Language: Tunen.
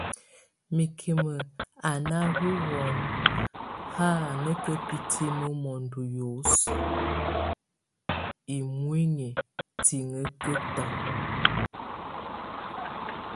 Mikimek á naho wɔn ó hʼ a nakabitime mondo yos, imuínyi tiŋékato.